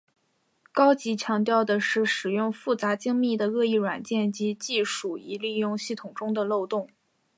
高级强调的是使用复杂精密的恶意软件及技术以利用系统中的漏洞。